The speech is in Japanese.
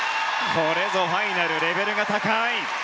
これぞファイナルレベルが高い。